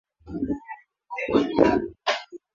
kila kaya itafurahia ujio wa ndugu zao